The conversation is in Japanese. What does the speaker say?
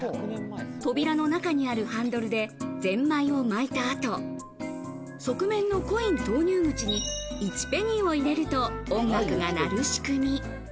扉の中にあるハンドルでゼンマイを巻いた後、側面のコイン投入口に１ペニーを入れると音楽が鳴る仕組み。